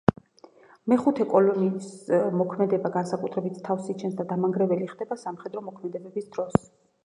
მეხუთე კოლონის მოქმედება განსაკუთრებით თავს იჩენს და დამანგრეველი ხდება სამხედრო მოქმედებების დროს.